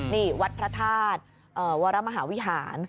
นี่วัดพระธาตุวรมหาวิหาร